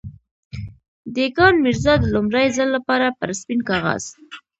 دېګان ميرزا د لومړي ځل لپاره پر سپين کاغذ.